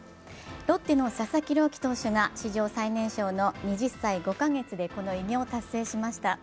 ロッテの佐々木朗希投手が史上最年少の２０歳５カ月でこの偉業を達成しました。